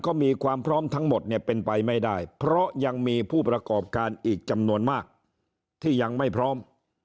ก็มีความพร้อมทั้งหมดเนี่ยเป็นไปไม่ได้เพราะยังมีผู้ประกอบการอีกจำนวนมากที่ยังไม่พร้อม